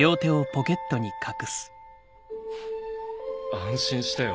安心してよ